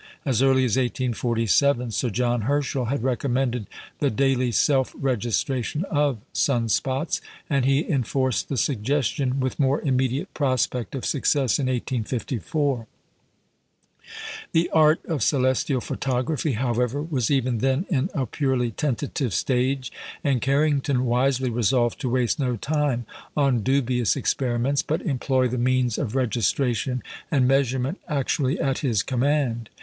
As early as 1847, Sir John Herschel had recommended the daily self registration of sun spots, and he enforced the suggestion, with more immediate prospect of success, in 1854. The art of celestial photography, however, was even then in a purely tentative stage, and Carrington wisely resolved to waste no time on dubious experiments, but employ the means of registration and measurement actually at his command.